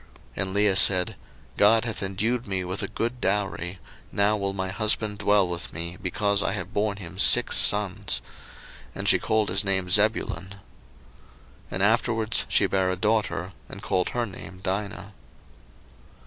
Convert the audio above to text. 01:030:020 And Leah said, God hath endued me with a good dowry; now will my husband dwell with me, because I have born him six sons: and she called his name Zebulun. 01:030:021 And afterwards she bare a daughter, and called her name Dinah.